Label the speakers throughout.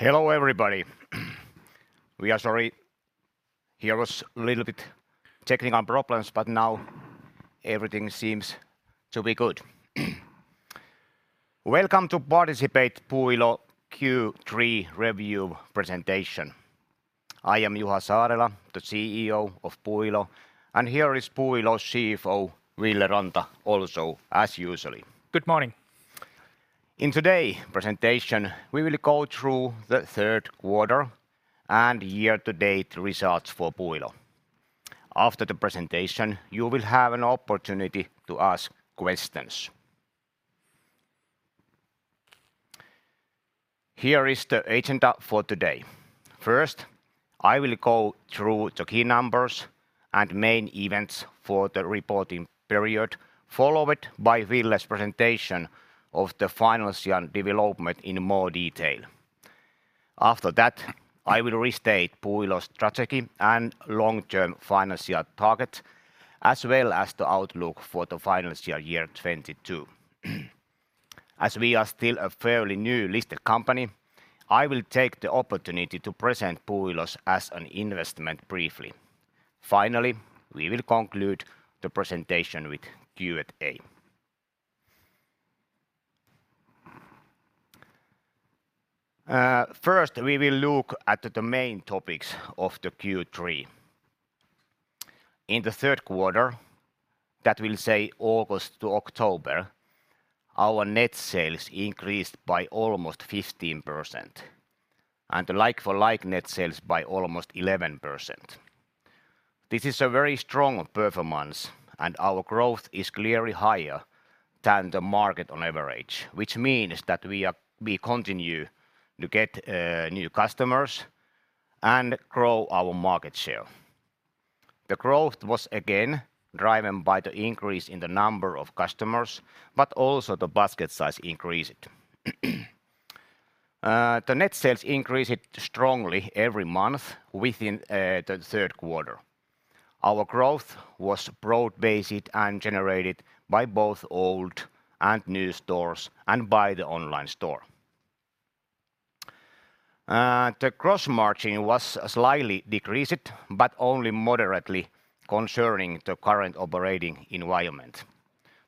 Speaker 1: Hello, everybody. We are sorry, here was a little bit technical problems. Now everything seems to be good. Welcome to participate Puuilo Q3 review presentation. I am Juha Saarela, the CEO of Puuilo. Here is Puuilo CFO, Ville Ranta, also as usually.
Speaker 2: Good morning.
Speaker 1: In today presentation, we will go through the third quarter and year-to-date results for Puuilo. After the presentation, you will have an opportunity to ask questions. Here is the agenda for today. First, I will go through the key numbers and main events for the reporting period, followed by Ville's presentation of the financial development in more detail. After that, I will restate Puuilo's strategy and long-term financial target, as well as the outlook for the financial year 2022. As we are still a fairly new listed company, I will take the opportunity to present Puuilo as an investment briefly. Finally, we will conclude the presentation with Q&A. First, we will look at the main topics of the Q3. In the third quarter, that will say August to October, our net sales increased by almost 15%, and the like-for-like net sales by almost 11%. This is a very strong performance. Our growth is clearly higher than the market on average, which means that we continue to get new customers and grow our market share. The growth was again driven by the increase in the number of customers, but also the basket size increased. The net sales increased strongly every month within the third quarter. Our growth was broad-based and generated by both old and new stores and by the online store. The gross margin was slightly decreased, but only moderately concerning the current operating environment.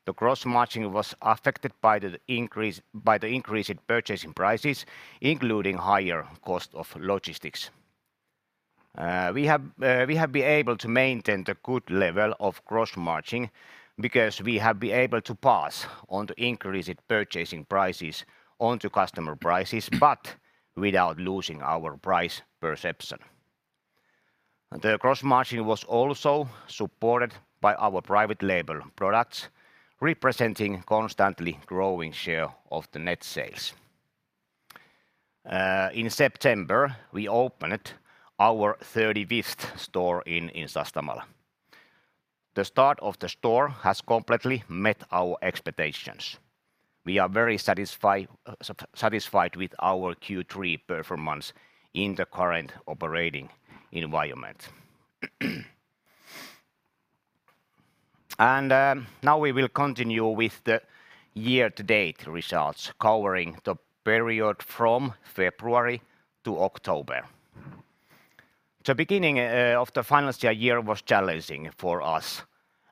Speaker 1: The gross margin was affected by the increase in purchasing prices, including higher cost of logistics. We have been able to maintain the good level of gross margin because we have been able to pass on the increased purchasing prices onto customer prices, but without losing our price perception. The gross margin was also supported by our private label products, representing constantly growing share of the net sales. In September, we opened our 35th store in Sastamala. The start of the store has completely met our expectations. We are very satisfied with our Q3 performance in the current operating environment. Now we will continue with the year-to-date results covering the period from February to October. The beginning of the financial year was challenging for us,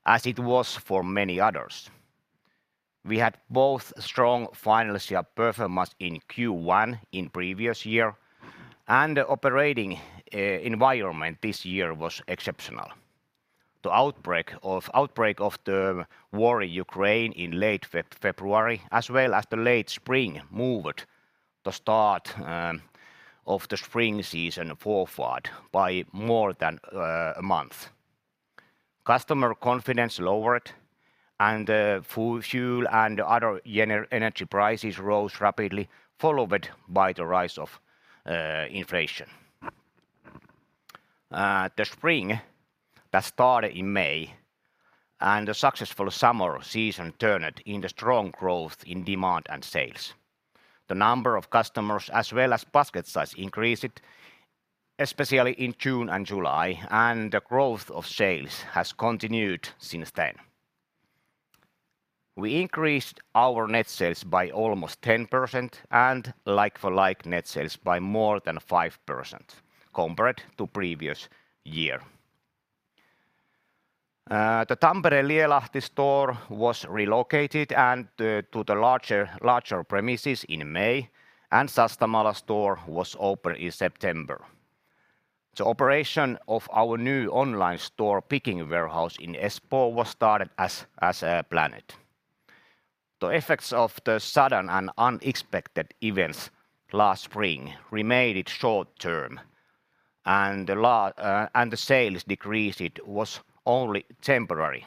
Speaker 1: as it was for many others. We had both strong financial performance in Q1 in previous year and the operating environment this year was exceptional. The outbreak of the war in Ukraine in late February, as well as the late spring, moved the start of the spring season forward by more than a month. Customer confidence lowered and fuel and other energy prices rose rapidly, followed by the rise of inflation. The spring that started in May and the successful summer season turned into strong growth in demand and sales. The number of customers as well as basket size increased, especially in June and July, and the growth of sales has continued since then. We increased our net sales by almost 10% and like-for-like net sales by more than 5% compared to previous year. The Tampere Lielahti store was relocated to the larger premises in May, and Sastamala store was opened in September. The operation of our new online store picking warehouse in Espoo was started as planned. The effects of the sudden and unexpected events last spring remained short-term, and the sales decrease, it was only temporary.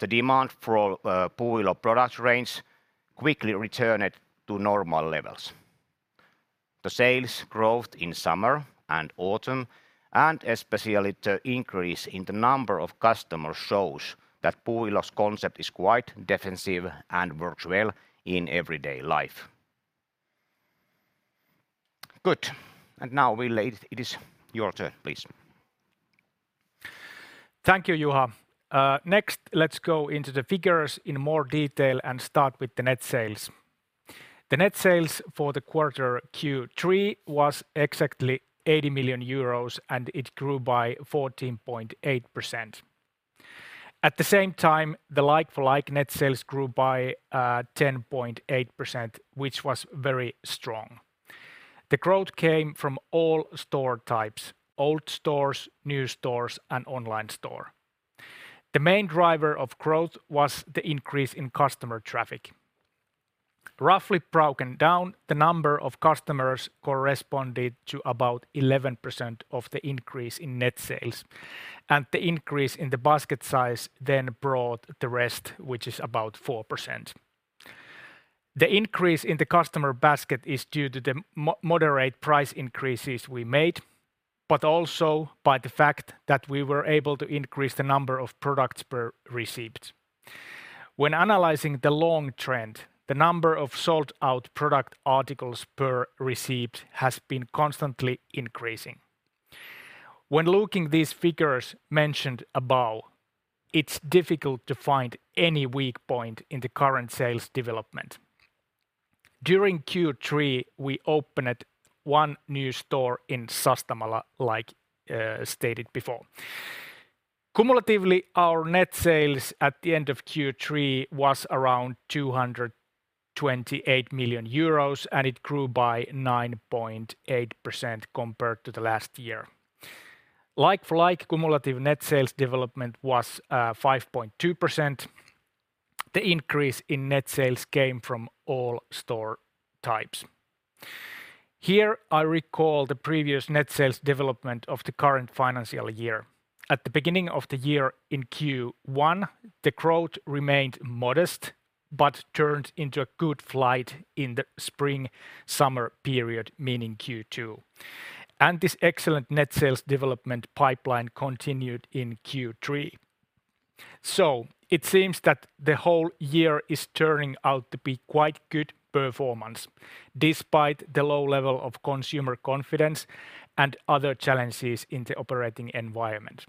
Speaker 1: The demand for Puuilo product range quickly returned to normal levels. The sales growth in summer and autumn, and especially the increase in the number of customers, shows that Puuilo's concept is quite defensive and works well in everyday life. Good. Now, Ville, it is your turn, please.
Speaker 2: Thank you, Juha. Next, let's go into the figures in more detail and start with the net sales. The net sales for the quarter Q3 was exactly 80 million euros, it grew by 14.8%. At the same time, the like-for-like net sales grew by 10.8%, which was very strong. The growth came from all store types, old stores, new stores, and online store. The main driver of growth was the increase in customer traffic. Roughly broken down, the number of customers corresponded to about 11% of the increase in net sales, the increase in the basket size then brought the rest, which is about 4%. The increase in the customer basket is due to the moderate price increases we made, but also by the fact that we were able to increase the number of products per receipt. When analyzing the long trend, the number of sold-out product articles per receipt has been constantly increasing. When looking these figures mentioned above, it's difficult to find any weak point in the current sales development. During Q3, we opened one new store in Sastamala, like, stated before. Cumulatively, our net sales at the end of Q3 was around 228 million euros, and it grew by 9.8% compared to the last year. Like-for-like, cumulative net sales development was 5.2%. The increase in net sales came from all store types. Here, I recall the previous net sales development of the current financial year. At the beginning of the year in Q1, the growth remained modest, turned into a good flight in the spring-summer period, meaning Q2. This excellent net sales development pipeline continued in Q3. It seems that the whole year is turning out to be quite good performance, despite the low level of consumer confidence and other challenges in the operating environment.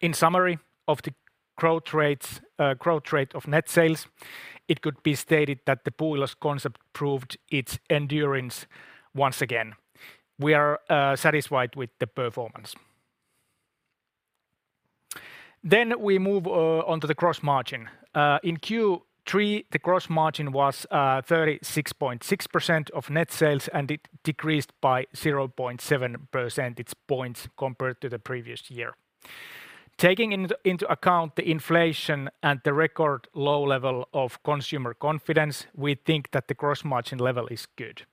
Speaker 2: In summary of the growth rates, growth rate of net sales, it could be stated that the Puuilo's concept proved its endurance once again. We are satisfied with the performance. We move on to the gross margin. In Q3, the gross margin was 36.6% of net sales, and it decreased by 0.7% its points compared to the previous year. Taking into account the inflation and the record low level of consumer confidence, we think that the gross margin level is good.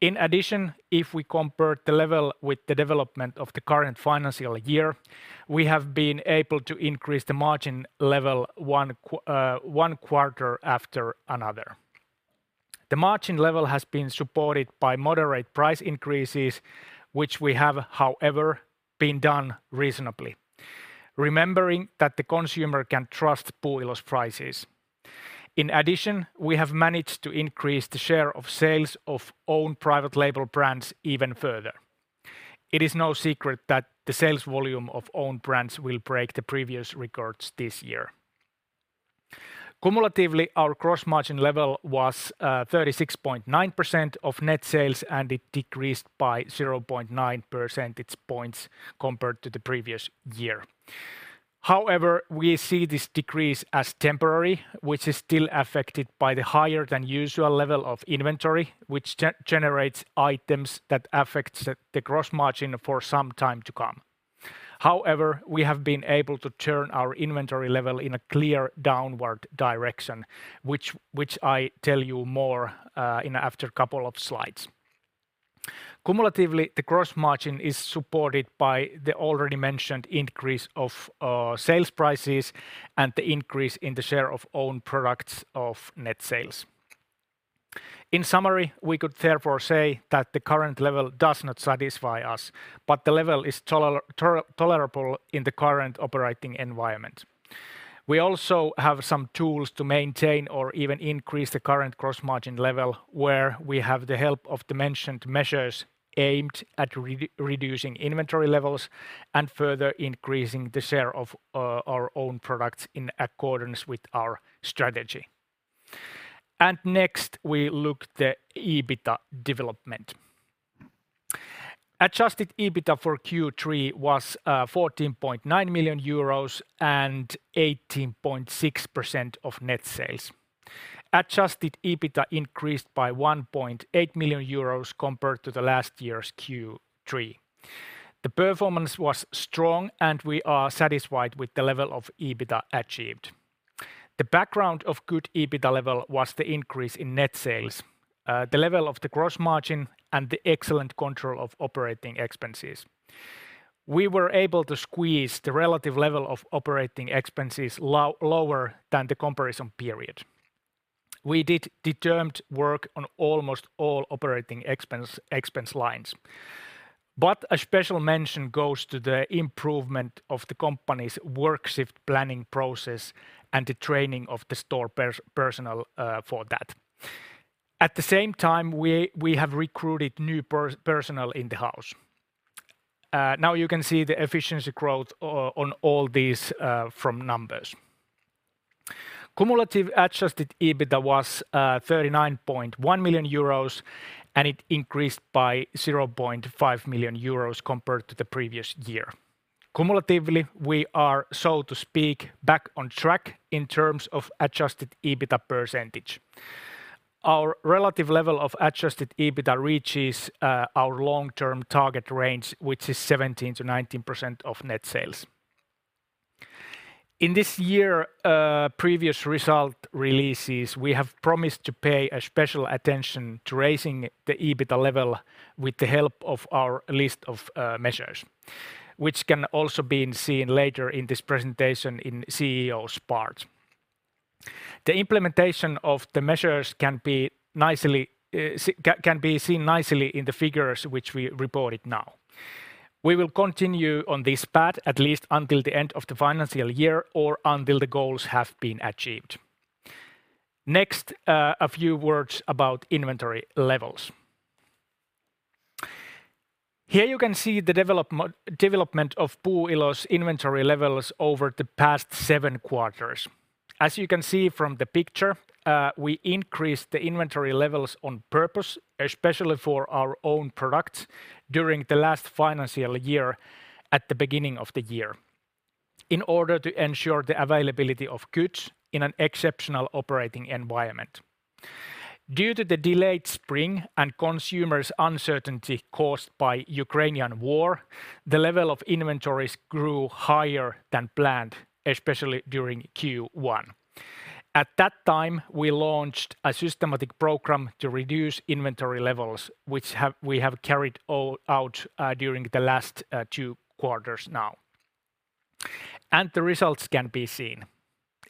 Speaker 2: In addition, if we compare the level with the development of the current financial year, we have been able to increase the margin level one quarter after another. The margin level has been supported by moderate price increases, which we have, however, been done reasonably, remembering that the consumer can trust Puuilo's prices. In addition, we have managed to increase the share of sales of own private label brands even further. It is no secret that the sales volume of own brands will break the previous records this year. Cumulatively, our gross margin level was 36.9% of net sales, and it decreased by 0.9 percentage points compared to the previous year. We see this decrease as temporary, which is still affected by the higher than usual level of inventory, which generates items that affects the gross margin for some time to come. We have been able to turn our inventory level in a clear downward direction, which I tell you more in after two slides. Cumulatively, the gross margin is supported by the already mentioned increase of sales prices and the increase in the share of own products of net sales. In summary, we could therefore say that the current level does not satisfy us, but the level is tolerable in the current operating environment. We also have some tools to maintain or even increase the current gross margin level, where we have the help of the mentioned measures aimed at reducing inventory levels and further increasing the share of our own products in accordance with our strategy. Next, we look the EBITDA development. Adjusted EBITDA for Q3 was 14.9 million euros and 18.6% of net sales. Adjusted EBITDA increased by 1.8 million euros compared to the last year's Q3. The performance was strong, and we are satisfied with the level of EBITDA achieved. The background of good EBITDA level was the increase in net sales, the level of the gross margin, and the excellent control of operating expenses. We were able to squeeze the relative level of operating expenses lower than the comparison period. We did determined work on almost all operating expense lines. A special mention goes to the improvement of the company's work shift planning process and the training of the store personnel for that. At the same time, we have recruited new personnel in the house. Now you can see the efficiency growth on all these from numbers. Cumulative adjusted EBITDA was 39.1 million euros, and it increased by 0.5 million euros compared to the previous year. Cumulatively, we are so to speak back on track in terms of adjusted EBITDA %. Our relative level of adjusted EBITDA reaches our long-term target range, which is 17%-19% of net sales. In this year, previous result releases, we have promised to pay a special attention to raising the EBITDA level with the help of our list of measures, which can also be seen later in this presentation in CEO's part. The implementation of the measures can be seen nicely in the figures which we reported now. We will continue on this path at least until the end of the financial year or until the goals have been achieved. Next, a few words about inventory levels. Here you can see the development of Puuilo's inventory levels over the past seven quarters. As you can see from the picture, we increased the inventory levels on purpose, especially for our own products during the last financial year at the beginning of the year in order to ensure the availability of goods in an exceptional operating environment. Due to the delayed spring and consumers' uncertainty caused by Ukrainian war, the level of inventories grew higher than planned, especially during Q1. At that time, we launched a systematic program to reduce inventory levels, which we have carried all out during the last two quarters now. And the results can be seen.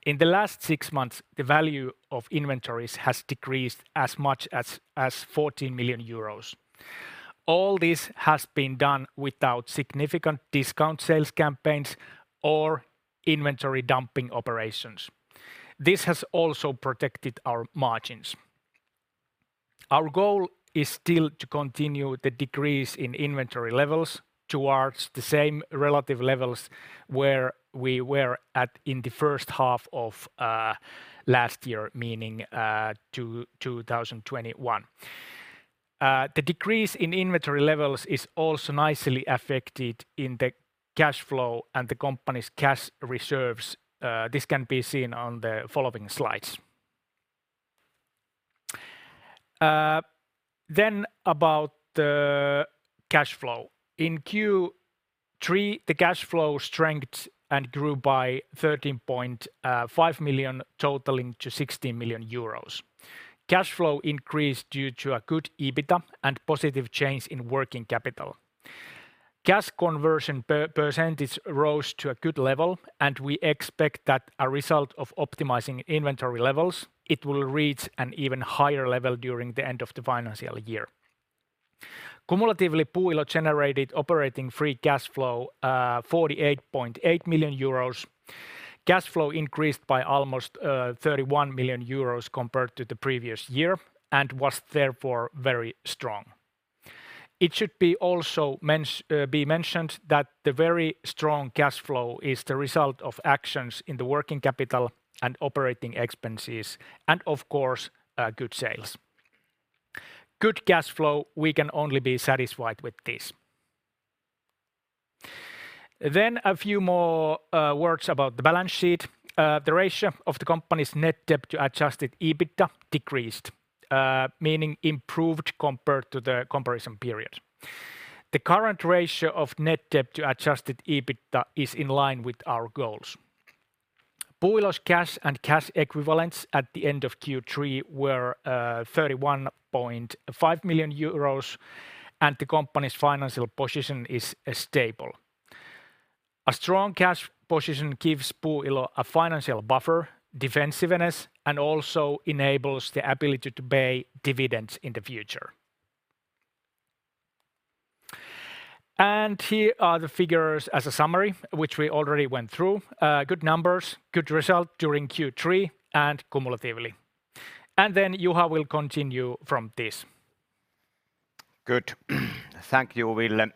Speaker 2: In the last six months, the value of inventories has decreased as much as 40 million euros. All this has been done without significant discount sales campaigns or inventory dumping operations. This has also protected our margins. Our goal is still to continue the decrease in inventory levels towards the same relative levels where we were at in the first half of last year, meaning to 2021. The decrease in inventory levels is also nicely affected in the cash flow and the company's cash reserves. This can be seen on the following slides. About the cash flow. In Q3, the cash flow strengthened and grew by 13.5 million totaling to 60 million euros. Cash flow increased due to a good EBITDA and positive change in working capital. Cash conversion % rose to a good level, and we expect that a result of optimizing inventory levels, it will reach an even higher level during the end of the financial year. Cumulatively, Puuilo generated operating free cash flow, 48.8 million euros. Cash flow increased by almost 31 million euros compared to the previous year and was therefore very strong. It should be also be mentioned that the very strong cash flow is the result of actions in the working capital and operating expenses and of course, good sales. Good cash flow, we can only be satisfied with this. A few more words about the balance sheet. The ratio of the company's net debt to adjusted EBITDA decreased, meaning improved compared to the comparison period. The current ratio of net debt to adjusted EBITDA is in line with our goals. Puuilo's cash and cash equivalents at the end of Q3 were 31.5 million euros, and the company's financial position is stable. A strong cash position gives Puuilo a financial buffer, defensiveness, and also enables the ability to pay dividends in the future. Here are the figures as a summary, which we already went through. Good numbers, good result during Q3 and cumulatively. Juha will continue from this.
Speaker 1: Good. Thank you, Ville.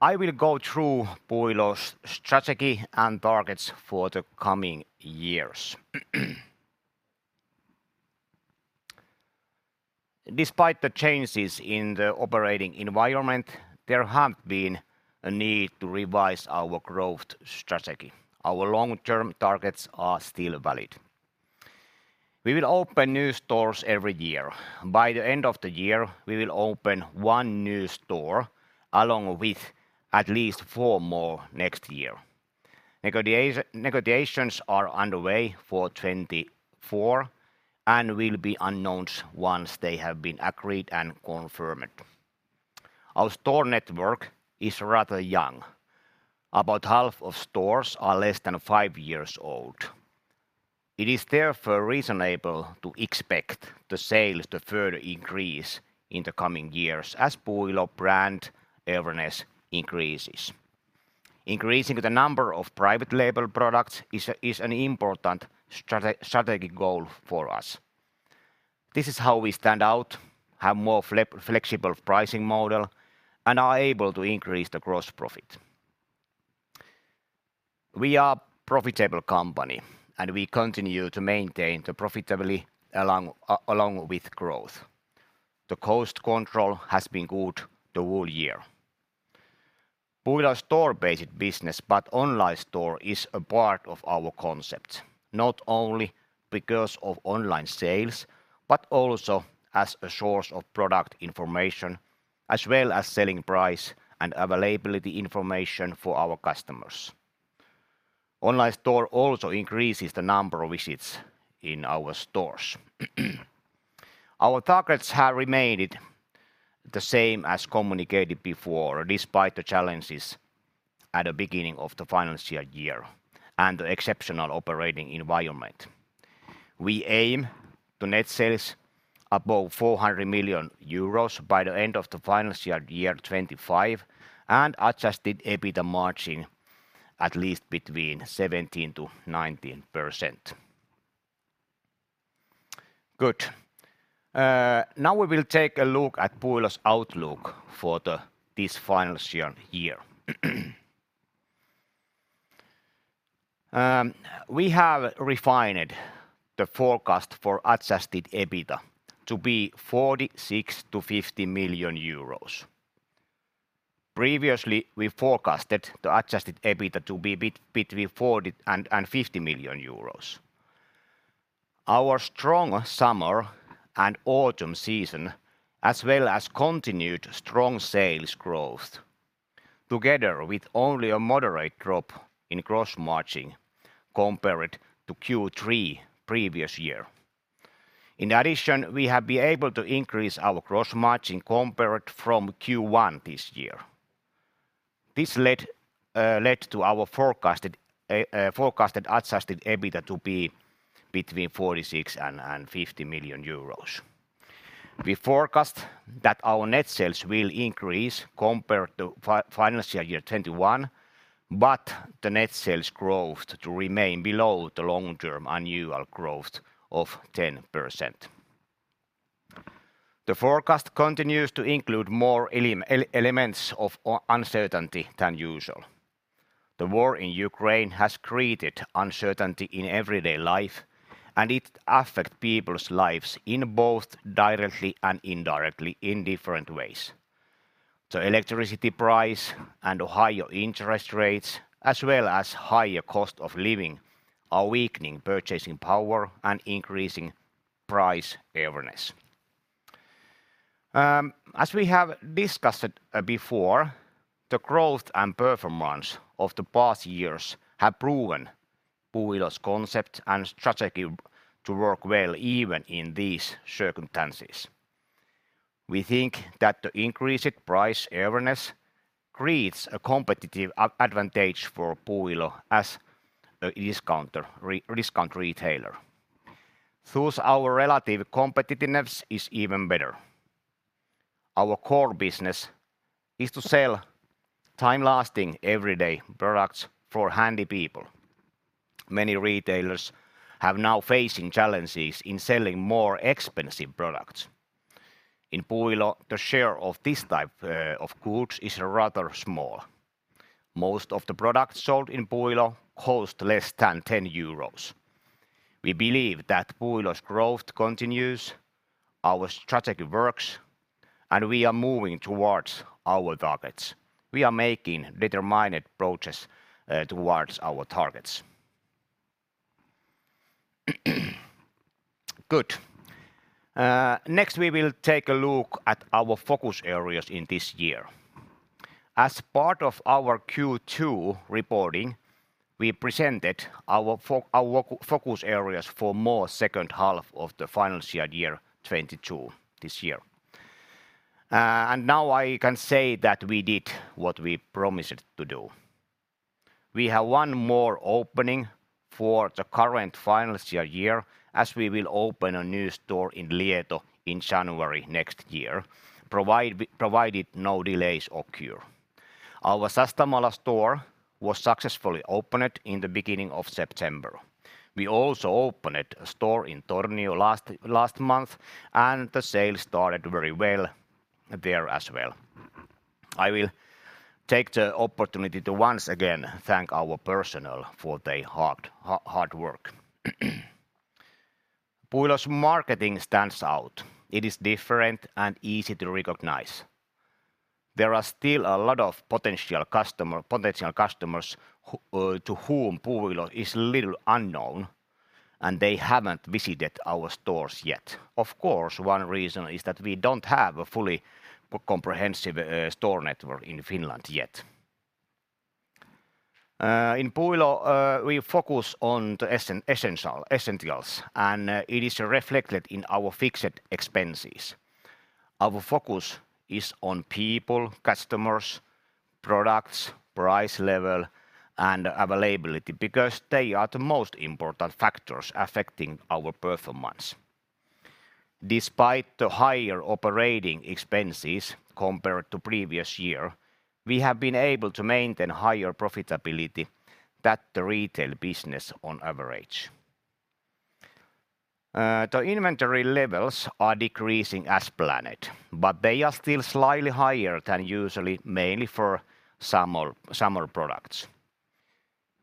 Speaker 1: I will go through Puuilo's strategy and targets for the coming years. Despite the changes in the operating environment, there haven't been a need to revise our growth strategy. Our long-term targets are still valid. We will open new stores every year. By the end of the year, we will open one new store along with at least four more next year. Negotiations are underway for 2024 and will be announced once they have been agreed and confirmed. Our store network is rather young. About half of stores are less than five years old. It is therefore reasonable to expect the sales to further increase in the coming years as Puuilo brand awareness increases. Increasing the number of private label products is an important strategic goal for us. This is how we stand out, have more flexible pricing model, and are able to increase the gross profit. We are profitable company, and we continue to maintain the profitably along with growth. The cost control has been good the whole year. Puuilo is store-based business, but online store is a part of our concept, not only because of online sales, but also as a source of product information, as well as selling price and availability information for our customers. Online store also increases the number of visits in our stores. Our targets have remained the same as communicated before, despite the challenges at the beginning of the financial year and the exceptional operating environment. We aim to net sales above 400 million euros by the end of the financial year 2025, and adjusted EBITDA margin at least between 17%-19%. Good. Now we will take a look at Puuilo's outlook for this financial year. We have refined the forecast for adjusted EBITDA to be 46 million-50 million euros. Previously, we forecasted the adjusted EBITDA to be between 40 million and 50 million euros. Our strong summer and autumn season, as well as continued strong sales growth, together with only a moderate drop in gross margin compared to Q3 previous year. We have been able to increase our gross margin compared from Q1 this year. This led to our forecasted adjusted EBITDA to be between 46 million and 50 million euros. We forecast that our net sales will increase compared to financial year 2021, the net sales growth to remain below the long-term annual growth of 10%. The forecast continues to include more elements of uncertainty than usual. The war in Ukraine has created uncertainty in everyday life, it affect people's lives in both directly and indirectly in different ways. The electricity price and the higher interest rates, as well as higher cost of living, are weakening purchasing power and increasing price awareness. As we have discussed before, the growth and performance of the past years have proven Puuilo's concept and strategy to work well even in these circumstances. We think that the increased price awareness creates a competitive advantage for Puuilo as a discount retailer. Thus, our relative competitiveness is even better. Our core business is to sell time-lasting, everyday products for handy people. Many retailers have now facing challenges in selling more expensive products. In Puuilo, the share of this type of goods is rather small. Most of the products sold in Puuilo cost less than 10 euros. We believe that Puuilo's growth continues, our strategy works, and we are moving towards our targets. We are making determined progress towards our targets. Good. Next, we will take a look at our focus areas in this year. As part of our Q2 reporting, we presented our focus areas for more second half of the financial year 2022, this year. Now I can say that we did what we promised to do. We have one more opening for the current financial year, as we will open a new store in Lieto in January next year, provided no delays occur. Our Sastamala store was successfully opened in the beginning of September. We also opened a store in Tornio last month, and the sales started very well there as well. I will take the opportunity to once again thank our personnel for their hard work. Puuilo's marketing stands out. It is different and easy to recognize. There are still a lot of potential customers to whom Puuilo is little unknown, and they haven't visited our stores yet. Of course, one reason is that we don't have a fully comprehensive store network in Finland yet. In Puuilo, we focus on the essentials, and it is reflected in our fixed expenses. Our focus is on people, customers, products, price level, and availability because they are the most important factors affecting our performance. Despite the higher operating expenses compared to previous year, we have been able to maintain higher profitability that the retail business on average. The inventory levels are decreasing as planned, but they are still slightly higher than usually, mainly for summer products.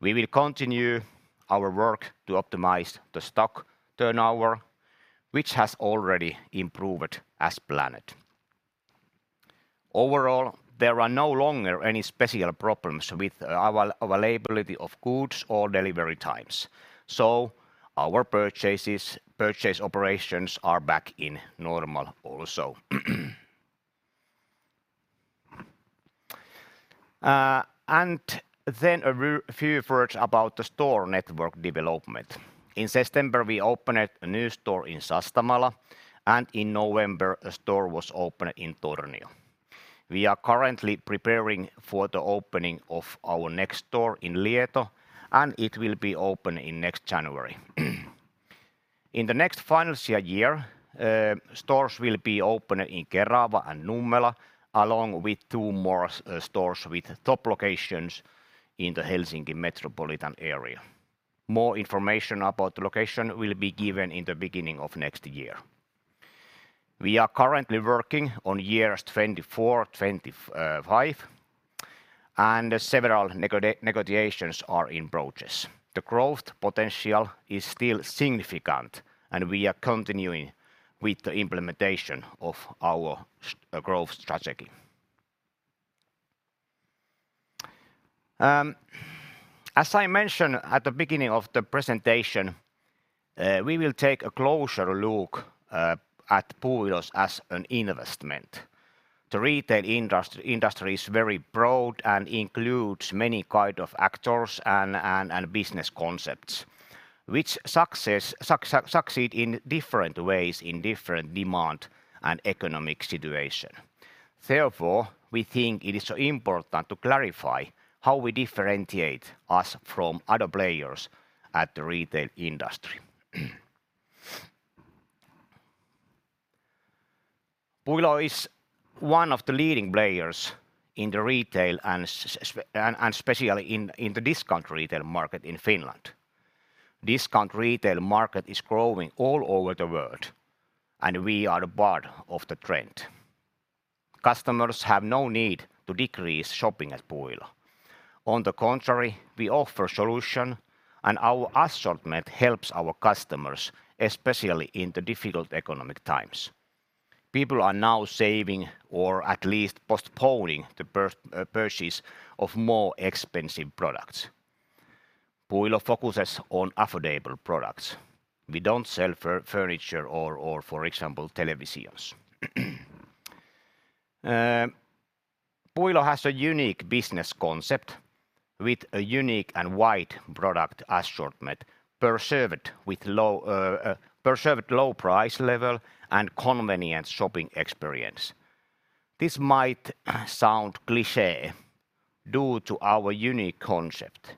Speaker 1: We will continue our work to optimize the stock turnover, which has already improved as planned. Overall, there are no longer any special problems with availability of goods or delivery times. Our purchase operations are back in normal also. A few words about the store network development. In September, we opened a new store in Sastamala, and in November, a store was opened in Tornio. We are currently preparing for the opening of our next store in Lieto, it will be open in next January. In the next financial year, stores will be opened in Kerava and Nummela, along with two more stores with top locations in the Helsinki metropolitan area. More information about the location will be given in the beginning of next year. We are currently working on years 2024, 2025, and several negotiations are in progress. The growth potential is still significant, and we are continuing with the implementation of our growth strategy. As I mentioned at the beginning of the presentation, we will take a closer look at Puuilo as an investment. The retail industry is very broad and includes many kind of actors and business concepts, which succeed in different ways in different demand and economic situation. Therefore, we think it is important to clarify how we differentiate us from other players at the retail industry. Puuilo is one of the leading players in the retail and especially in the discount retail market in Finland. Discount retail market is growing all over the world, and we are part of the trend. Customers have no need to decrease shopping at Puuilo. On the contrary, we offer solution, and our assortment helps our customers, especially in the difficult economic times. People are now saving or at least postponing the purchase of more expensive products. Puuilo focuses on affordable products. We don't sell furniture or for example, televisions. Puuilo has a unique business concept with a unique and wide product assortment preserved low price level and convenient shopping experience. This might sound cliché due to our unique concept,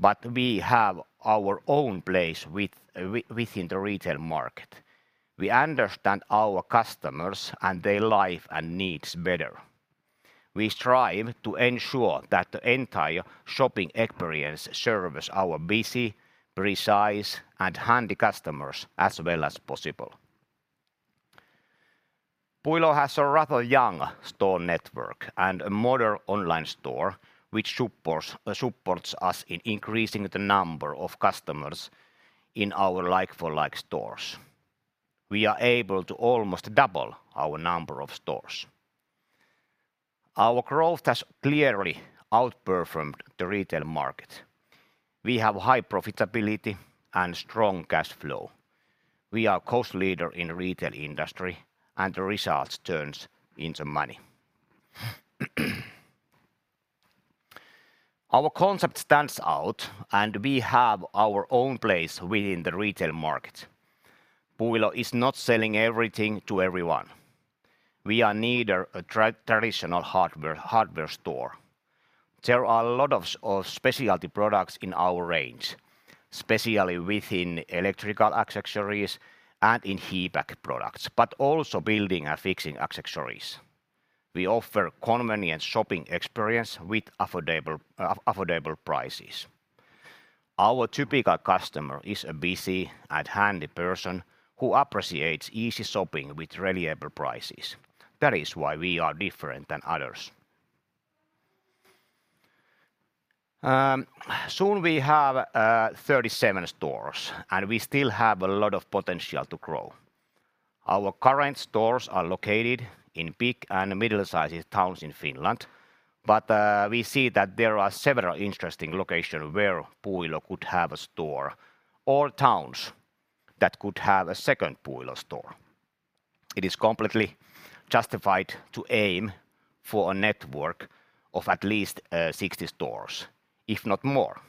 Speaker 1: but we have our own place within the retail market. We understand our customers and their life and needs better. We strive to ensure that the entire shopping experience serves our busy, precise, and handy customers as well as possible. Puuilo has a rather young store network and a modern online store which supports us in increasing the number of customers in our like-for-like stores. We are able to almost double our number of stores. Our growth has clearly outperformed the retail market. We have high profitability and strong cash flow. We are cost leader in retail industry. The results turns into money. Our concept stands out. We have our own place within the retail market. Puuilo is not selling everything to everyone. We are neither a traditional hardware store. There are a lot of specialty products in our range, especially within electrical accessories and in HVAC products, but also building and fixing accessories. We offer convenient shopping experience with affordable prices. Our typical customer is a busy and handy person who appreciates easy shopping with reliable prices. That is why we are different than others. Soon we have 37 stores, and we still have a lot of potential to grow. Our current stores are located in big and middle-sized towns in Finland, but we see that there are several interesting location where Puuilo could have a store or towns that could have a second Puuilo store. It is completely justified to aim for a network of at least 60 stores, if not more.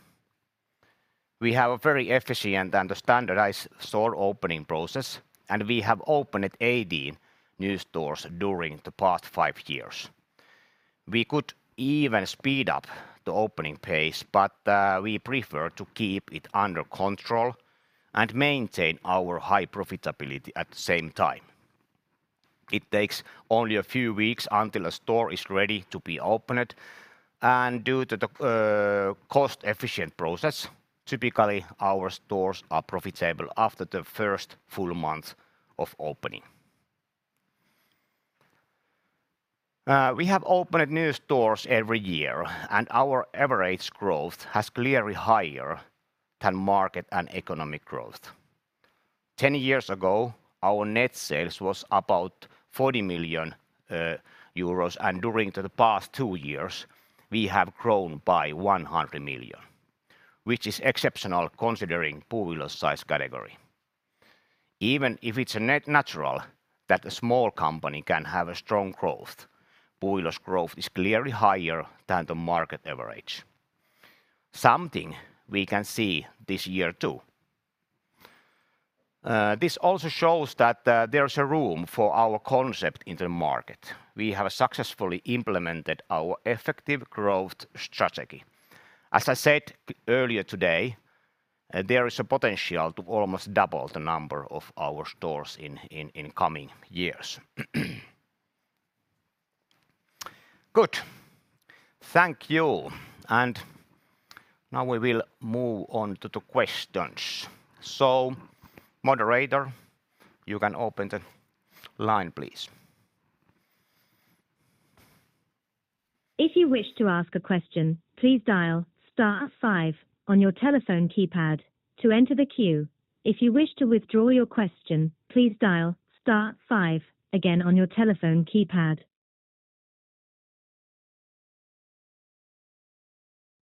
Speaker 1: We have a very efficient and a standardized store opening process, and we have opened 80 new stores during the past five years. We could even speed up the opening pace, but we prefer to keep it under control and maintain our high profitability at the same time. It takes only a few weeks until a store is ready to be opened, and due to the cost-efficient process, typically our stores are profitable after the first full month of opening. We have opened new stores every year, and our average growth has clearly higher than market and economic growth. 10 years ago, our net sales was about 40 million euros, and during the past two years, we have grown by 100 million, which is exceptional considering Puuilo's size category. Even if it's natural that a small company can have a strong growth, Puuilo's growth is clearly higher than the market average, something we can see this year too. This also shows that there's a room for our concept in the market. We have successfully implemented our effective growth strategy. As I said earlier today, there is a potential to almost double the number of our stores in coming years. Good. Thank you. Now we will move on to the questions. Moderator, you can open the line, please.
Speaker 3: If you wish to ask a question, please dial star five on your telephone keypad to enter the queue. If you wish to withdraw your question, please dial star five again on your telephone keypad.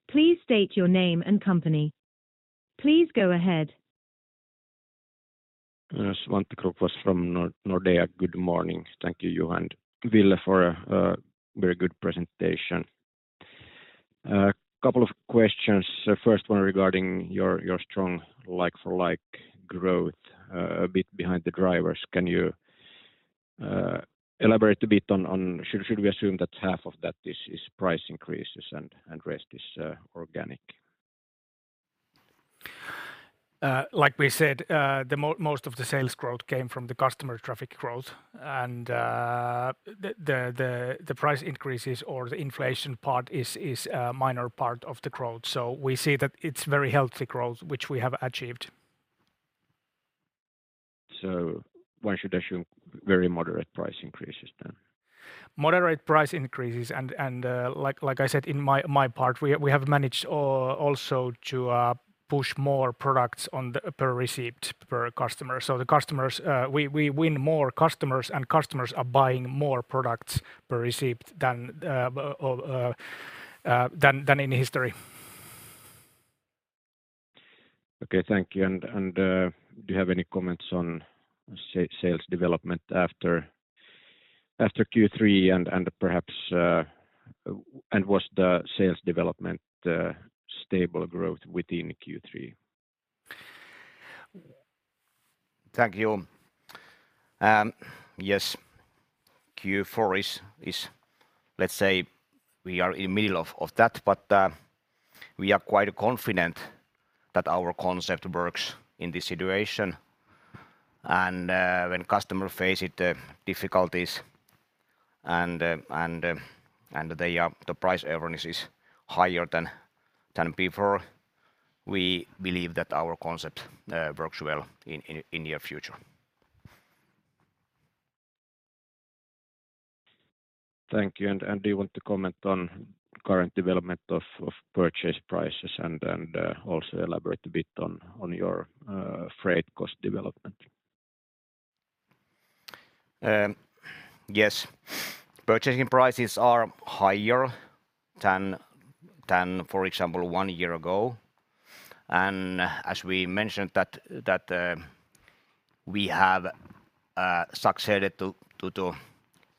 Speaker 3: Please state your name and company. Please go ahead.
Speaker 4: Svante Krokfors from Nordea. Good morning. Thank you, Juha Saarela and Ville Ranta, for a very good presentation. A couple of questions. First one regarding your strong like-for-like growth, a bit behind the drivers. Can you elaborate a bit on should we assume that half of that is price increases and rest is organic?
Speaker 2: Like we said, the most of the sales growth came from the customer traffic growth and the price increases or the inflation part is a minor part of the growth. We see that it's very healthy growth, which we have achieved.
Speaker 4: One should assume very moderate price increases then?
Speaker 2: Moderate price increases and, like I said, in my part, we have managed also to push more products on the per receipt per customer. The customers, we win more customers, and customers are buying more products per receipt than in history.
Speaker 4: Okay. Thank you. Do you have any comments on sales development after Q3 and perhaps was the sales development stable growth within Q3?
Speaker 1: Thank you. Yes, Q4 is. Let's say we are in middle of that, but we are quite confident that our concept works in this situation. When customer face it, the difficulties and the price awareness is higher than before, we believe that our concept works well in near future.
Speaker 4: Thank you. Do you want to comment on current development of purchase prices and also elaborate a bit on your freight cost development?
Speaker 1: Yes. Purchasing prices are higher than, for example, one year ago, and as we mentioned that we have succeeded to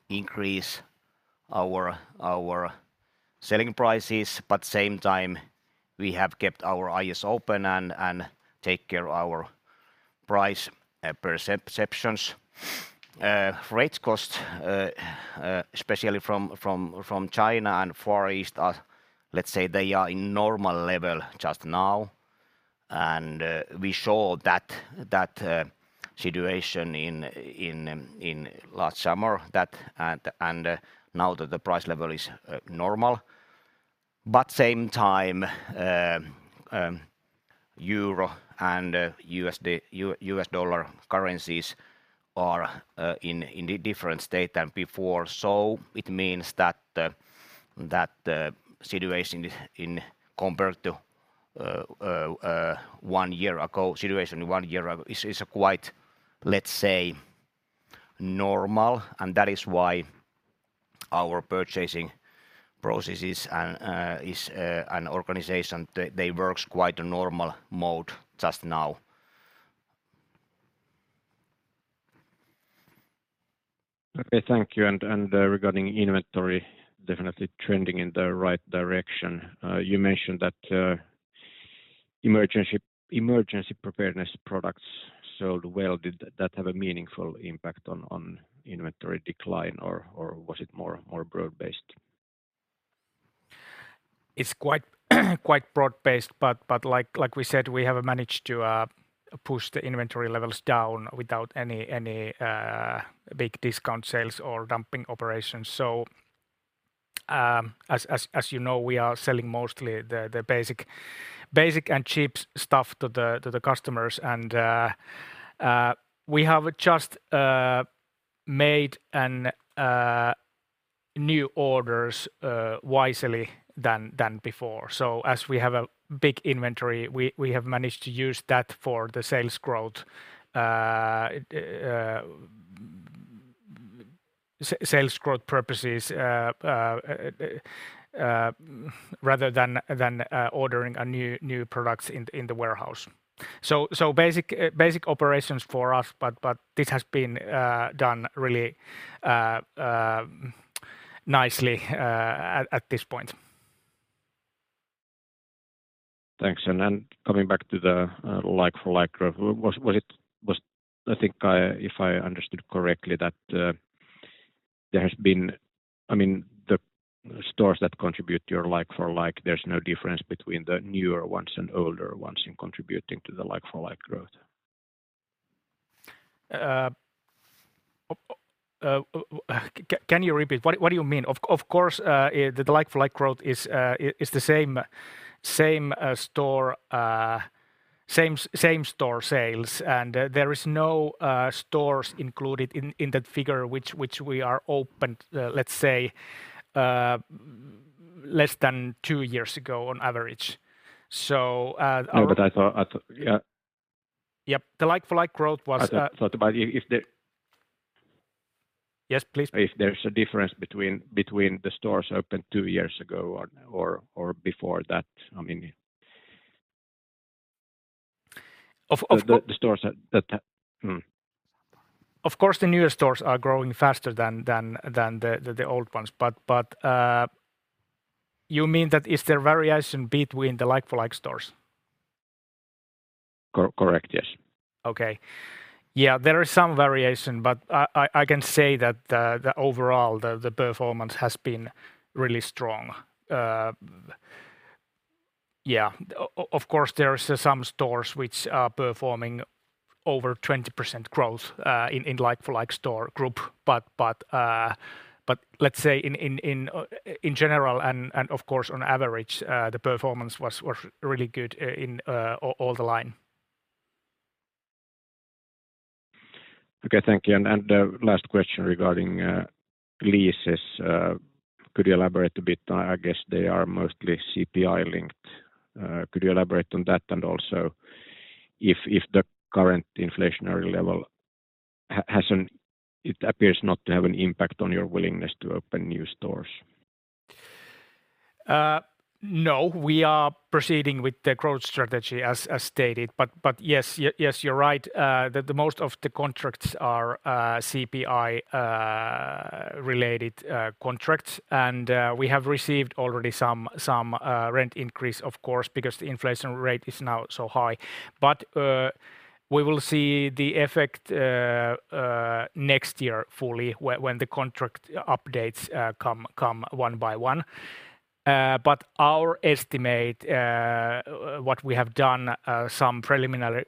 Speaker 1: increase our selling prices, but same time we have kept our eyes open and take care our price perceptions. Freight cost especially from China and Far East are, let's say, they are in normal level just now. We saw that situation in last summer. Now that the price level is normal, but same time, um, Euro and USD, US dollar currencies are in different state than before. it means that the situation in compared to one year ago, situation one year ago is quite, let's say, normal, and that is why our purchasing processes and is an organization they works quite a normal mode just now.
Speaker 4: Okay. Thank you. Regarding inventory, definitely trending in the right direction. You mentioned that Emergency preparedness products sold well. Did that have a meaningful impact on inventory decline or was it more broad-based?
Speaker 2: It's quite broad-based, but like we said, we have managed to push the inventory levels down without any big discount sales or dumping operations. As you know, we are selling mostly the basic and cheap stuff to the customers. We have just made a new orders wisely than before. As we have a big inventory, we have managed to use that for the sales growth. Sales growth purposes, rather than ordering a new products in the warehouse. Basic operations for us, but this has been done really nicely at this point.
Speaker 4: Thanks. Coming back to the like-for-like growth, was it, if I understood correctly, that there has been, I mean, the stores that contribute to your like-for-like, there's no difference between the newer ones and older ones in contributing to the like-for-like growth?
Speaker 2: Can you repeat? What do you mean? Of course, the like-for-like growth is the same store sales. There is no stores included in that figure which we are opened, let's say, less than two years ago on average.
Speaker 4: No, but I thought.
Speaker 2: Yep. The like-for-like growth was.
Speaker 4: I thought about.
Speaker 2: Yes, please.
Speaker 4: If there's a difference between the stores opened two years ago or before that. I mean.
Speaker 2: Of, of-
Speaker 4: The stores that.
Speaker 2: Of course, the newer stores are growing faster than the old ones. You mean that is there variation between the like-for-like stores?
Speaker 4: Correct, yes.
Speaker 2: Okay. Yeah, there is some variation, but I can say that the overall the performance has been really strong. Yeah. Of course, there are some stores which are performing over 20% growth in like-for-like store group. Let's say in general and of course, on average, the performance was really good in all the line.
Speaker 4: Okay, thank you. The last question regarding leases. Could you elaborate a bit? I guess they are mostly CPI linked. Could you elaborate on that? Also if the current inflationary level, it appears not to have an impact on your willingness to open new stores.
Speaker 2: No, we are proceeding with the growth strategy as stated. Yes, you're right that the most of the contracts are CPI related contracts. We have received already some rent increase, of course, because the inflation rate is now so high. We will see the effect next year fully when the contract updates come one by one. Our estimate, what we have done, some preliminary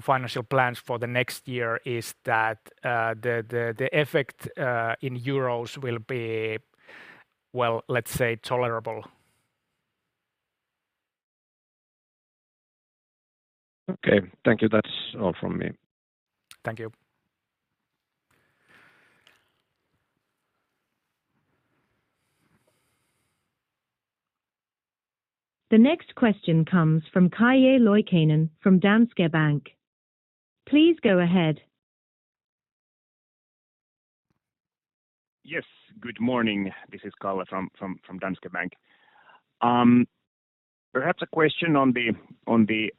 Speaker 2: financial plans for the next year is that the effect in euros will be, well, let's say tolerable.
Speaker 4: Okay. Thank you. That's all from me.
Speaker 2: Thank you.
Speaker 3: The next question comes from Kalle Loikkanen from Danske Bank. Please go ahead.
Speaker 5: Yes. Good morning. This is Kalle from Danske Bank. Perhaps a question on the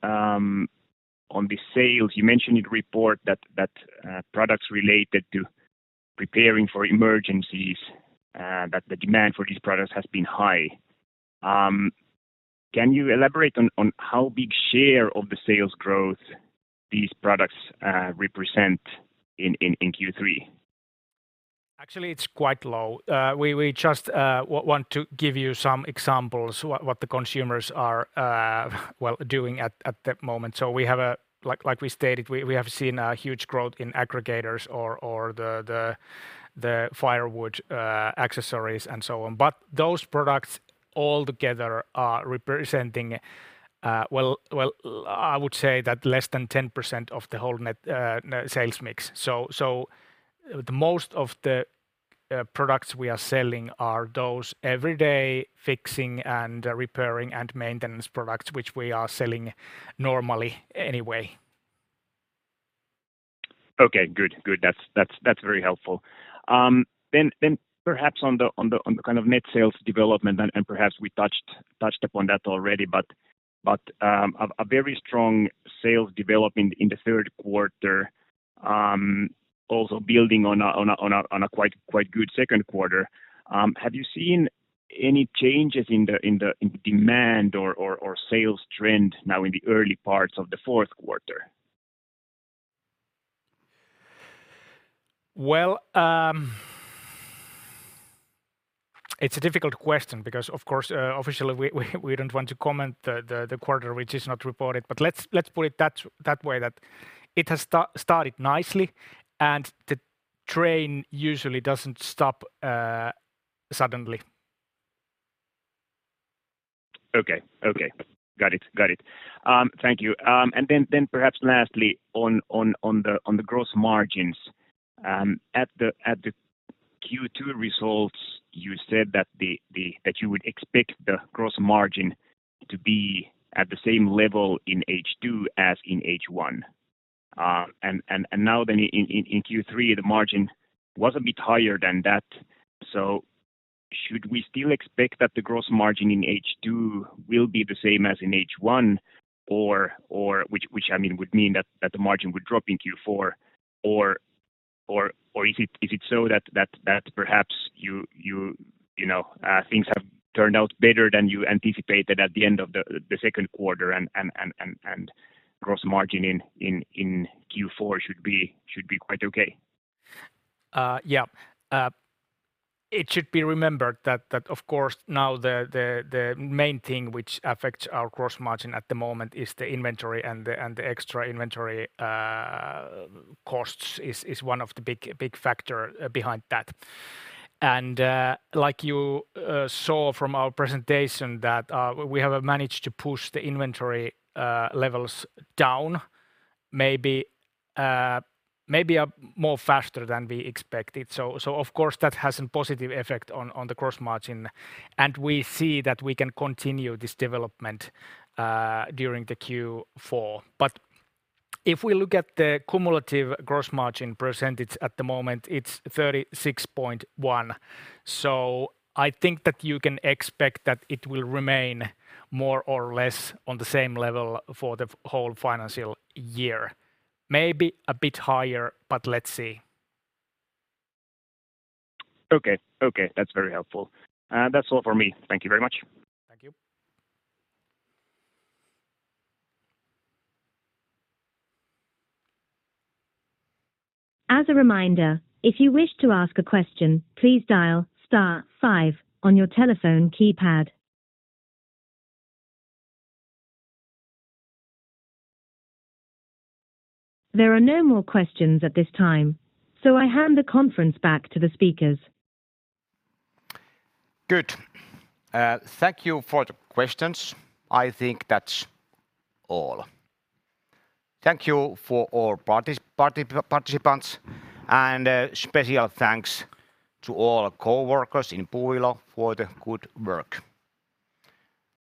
Speaker 5: sales. You mentioned in the report that products related to preparing for emergencies, that the demand for these products has been high. Can you elaborate on how big share of the sales growth these products represent in Q3?
Speaker 2: Actually, it's quite low. We just want to give you some examples what the consumers are, well, doing at that moment. Like we stated, we have seen a huge growth in aggregators or the firewood accessories and so on. Those products all together are representing, well, I would say that less than 10% of the whole net sales mix. The most of the products we are selling are those everyday fixing and repairing and maintenance products, which we are selling normally anyway.
Speaker 5: Okay. Good. Good. That's very helpful. Perhaps on the kind of net sales development, perhaps we touched upon that already, a very strong sales development in the third quarter. Also building on a quite good second quarter, have you seen any changes in the demand or sales trend now in the early parts of the fourth quarter?
Speaker 2: Well, it's a difficult question because, of course, officially we don't want to comment the quarter which is not reported. Let's put it that way that it has started nicely and the train usually doesn't stop suddenly.
Speaker 5: Okay. Got it. Thank you. Then perhaps lastly on the gross margins. At the Q2 results, you said that you would expect the gross margin to be at the same level in H2 as in H1. Now then in Q3, the margin was a bit higher than that. Should we still expect that the gross margin in H2 will be the same as in H1 or which, I mean, would mean that the margin would drop in Q4? Is it so that perhaps you know, things have turned out better than you anticipated at the end of the second quarter and gross margin in Q4 should be quite okay?
Speaker 2: It should be remembered that of course now the main thing which affects our gross margin at the moment is the inventory and the extra inventory costs is one of the big factor behind that. Like you saw from our presentation that we have managed to push the inventory levels down maybe more faster than we expected. Of course that has a positive effect on the gross margin, and we see that we can continue this development during the Q4. If we look at the cumulative gross margin percentage at the moment, it's 36.1%. I think that you can expect that it will remain more or less on the same level for the whole financial year. Maybe a bit higher, but let's see.
Speaker 5: Okay. Okay. That's very helpful. That's all for me. Thank you very much.
Speaker 2: Thank you.
Speaker 3: As a reminder, if you wish to ask a question, please dial star five on your telephone keypad. There are no more questions at this time, so I hand the conference back to the speakers.
Speaker 1: Good. Thank you for the questions. I think that's all. Thank you for all participants. A special thanks to all coworkers in Puuilo for the good work.